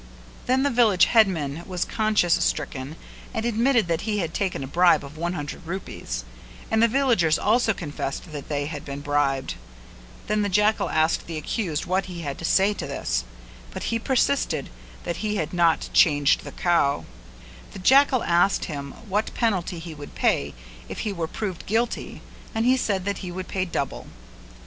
Then the village headman was conscience stricken and admitted that he had taken a bribe of one hundred rupees, and the villagers also confessed that they had been bribed; then the jackal asked the accused what he had to say to this: but he persisted that he had not changed the cow; the jackal asked him what penalty he would pay if he were proved guilty and he said that he would pay double.